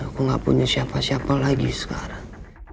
aku nggak punya siapa siapa lagi sekarang